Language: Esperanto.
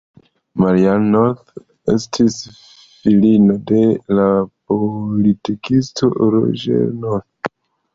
Marianne North estis filino de la politikisto Roger North.